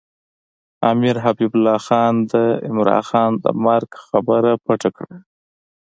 امیر حبیب الله خان د عمرا خان د مرګ خبره پټه کړې.